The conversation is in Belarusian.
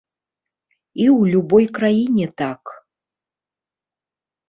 І ў любой краіне так.